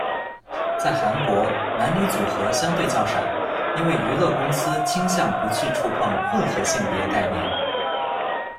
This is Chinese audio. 在韩国，男女组合相对较少，因为娱乐公司倾向不去触碰“混合性别”概念。